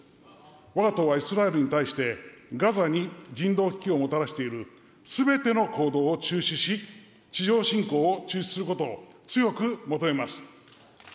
わが党はイスラエルに対して、ガザに人道危機をもたらしているすべての行動を中止し、地上侵攻を中止することを強く求めます。